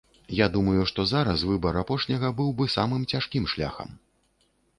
Я думаю, што зараз выбар апошняга быў бы самым цяжкім шляхам.